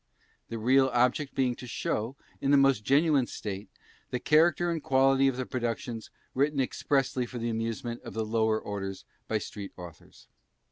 The real object being to show, in the most genuine state, the character and quality of the productions written expressly for the amusement of the lower orders by street authors.